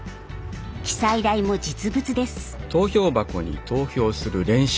記載台も実物です。